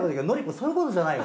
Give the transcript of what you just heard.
そういうことじゃないよ